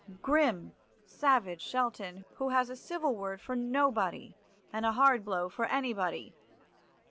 Grim, savage Shelton, who has a civil word for nobody, and a hard blow for anybody.